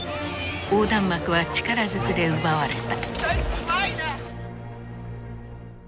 横断幕は力ずくで奪われた。